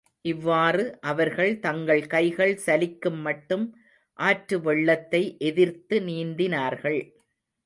இவ்வாறு அவர்கள் தங்கள் கைகள் சலிக்குமட்டும் ஆற்று வெள்ளத்தை எதிர்த்து நீந்தினார்கள்.